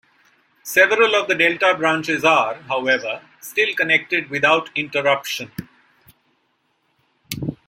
Several of the delta branches are, however, still connected without interruption.